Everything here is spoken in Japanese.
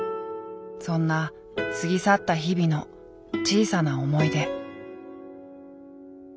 そんな過ぎ去った日々の小さな思い出。